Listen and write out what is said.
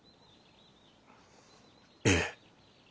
ええ。